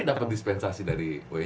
tapi dapat dispensasi dari unj ya